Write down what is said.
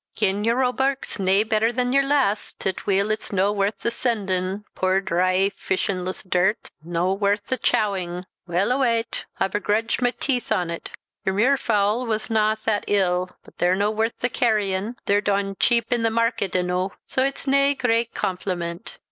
"Gin your roebuck's nae better than your last, at weel it's no worth the sendin' poor dry fisinless dirt, no worth the chowing; weel a wat I begrudged my teeth on't. Your muirfowl was na that ill, but they're no worth the carryin; they're dong cheap i'the market enoo, so it's nae great compliment.